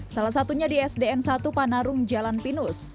salah satunya di sdn satu panarung jalan pinus